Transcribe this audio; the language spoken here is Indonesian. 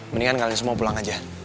mendingan kalian semua pulang aja